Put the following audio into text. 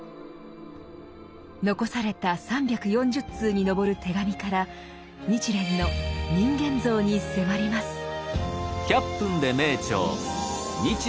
残された３４０通に上る手紙から日蓮の人間像に迫ります。